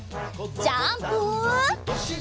ジャンプ！